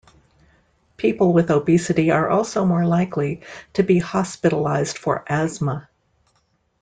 People with obesity are also more likely to be hospitalized for asthma.